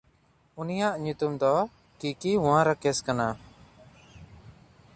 ᱩᱱᱤᱭᱟᱜ ᱧᱩᱛᱩᱢ ᱫᱚ ᱠᱤᱠᱤᱶᱟᱨᱟᱠᱤᱥ ᱠᱟᱱᱟ᱾